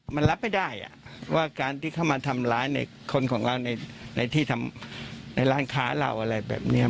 มันรับไม่ได้ว่าการที่เข้ามาทำร้ายในคนของเราในที่ในร้านค้าเราอะไรแบบนี้